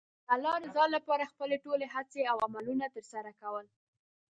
د الله رضا لپاره خپلې ټولې هڅې او عملونه ترسره کول.